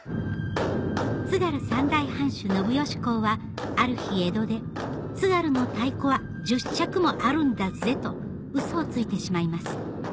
津軽三代藩主信義公はある日江戸で「津軽の太鼓は十尺もあるんだぜ」とウソをついてしまいます